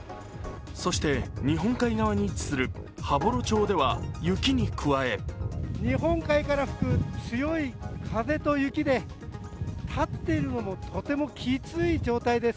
そして、日本海側に位置する羽幌町では雪に加え日本海から吹く強い風と雪で立っているのもとてもきつい状態です。